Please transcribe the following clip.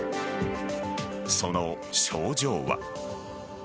その症状は。